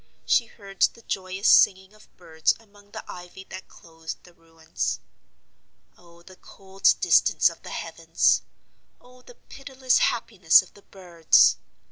She heard the joyous singing of birds among the ivy that clothed the ruins. Oh the cold distance of the heavens! Oh the pitiless happiness of the birds!